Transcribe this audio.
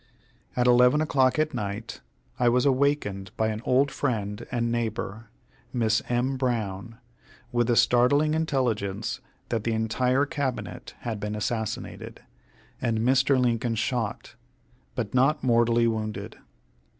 At 11 o'clock at night I was awakened by an old friend and neighbor, Miss M. Brown, with the startling intelligence that the entire Cabinet had been assassinated, and Mr. Lincoln shot, but not mortally wounded.